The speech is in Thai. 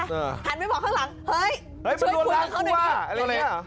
อะไรอย่างเนี้ย